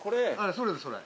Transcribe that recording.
そうですそれ。